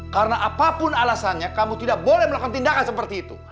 karena apapun alasannya kamu tidak boleh melakukan tindakan seperti itu